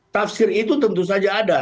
tafsir itu tentu saja ada